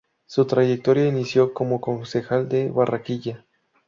Su trayectoria inició como concejal de Barranquilla.